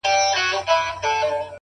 ځوان له ډيري ژړا وروسته څخه ريږدي ـ